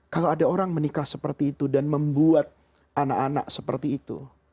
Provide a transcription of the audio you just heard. kalau ada orang menikah seperti itu dan membuat anak anak seperti itu